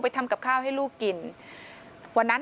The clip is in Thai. ไปทำกับข้าวให้ลูกกิน